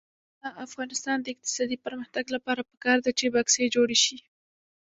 د افغانستان د اقتصادي پرمختګ لپاره پکار ده چې بکسې جوړې شي.